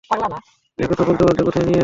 এই, কথা বলতে বলতে কোথায় নিয়ে এলে?